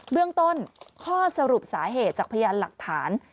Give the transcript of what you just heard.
เรื่องต้นข้อสรุปสาเหตุจากพยานหลักฐาน